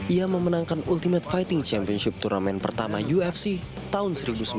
ia memenangkan ultimate fighting championship turnamen pertama ufc tahun seribu sembilan ratus sembilan puluh